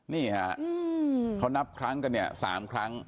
นี่ฮะเขานับครั้งกันเนี่ย๓ครั้ง